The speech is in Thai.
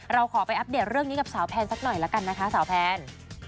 เราขอไปอัปเดตเรื่องนี้กับสาวแพนสักหน่อยละกันนะคะสาวแพน